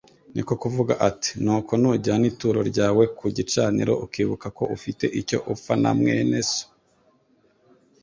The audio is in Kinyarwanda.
Niko kuvuga ati : «Nuko nujyana ituro ryawe ku gicaniro ukibuka ko ufite icyo upfa na mwene so,